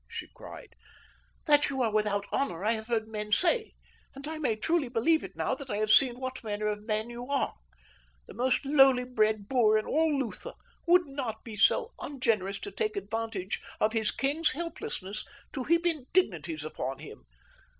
she cried. "That you are without honor I have heard men say, and I may truly believe it now that I have seen what manner of man you are. The most lowly bred boor in all Lutha would not be so ungenerous as to take advantage of his king's helplessness to heap indignities upon him.